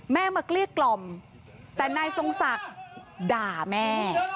มาเกลี้ยกล่อมแต่นายทรงศักดิ์ด่าแม่